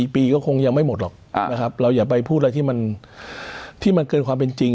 ปีก็คงยังไม่หมดหรอกนะครับเราอย่าไปพูดอะไรที่มันเกินความเป็นจริง